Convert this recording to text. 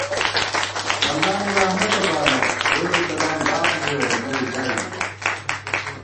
اللہ نی رحمتہ بالہ، گورے تران باب ژِیَؤ نئ ژائے ژِیَؤ